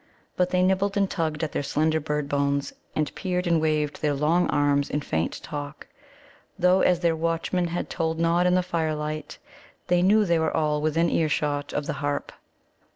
But they nibbled and tugged at their slender bird bones, and peered and waved their long arms in faint talk; though, as their watchman had told Nod in the firelight, they knew they were all within earshot of the Harp.